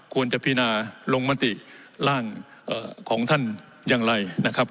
พินาลงมติร่างของท่านอย่างไรนะครับ